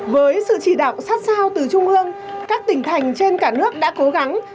với sự chỉ đạo sát sao từ trung ương các tỉnh thành trên cả nước đã cố gắng